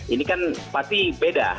ini kan pasti beda